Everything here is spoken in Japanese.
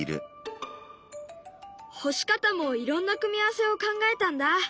干し方もいろんな組み合わせを考えたんだ。